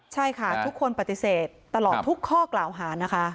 ใช่ค่ะทุกคนปฏิเสธตลอดทุกข้อกล่าวหานะคะ